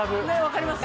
分かります？